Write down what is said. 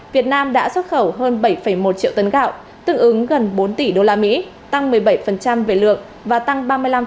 việt nam đã xuất khẩu hơn bảy một triệu tấn gạo tương ứng gần bốn tỷ usd tăng một mươi bảy về lượng và tăng